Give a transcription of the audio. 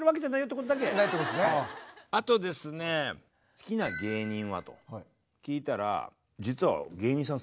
「好きな芸人は？」と聞いたら実は芸人さん